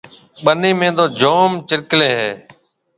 ٻنِي ۾ تو جوم چرڪلَي هيَ۔